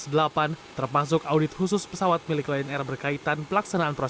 yang telah diperiksa